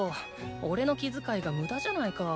おれの気遣いがムダじゃないか。